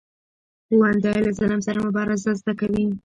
ښوونځی له ظلم سره مبارزه زده کوي